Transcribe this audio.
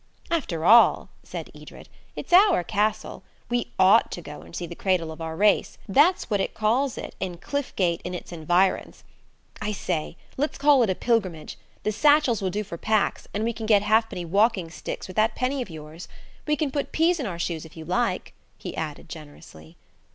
"After all," said Edred, "it's our castle. We ought to go and see the cradle of our race. That's what it calls it in 'Cliffgate and its Envions.' I say, let's call it a pilgrimage. The satchels will do for packs, and we can get halfpenny walking sticks with that penny of yours. We can put peas in our shoes, if you like," he added generously.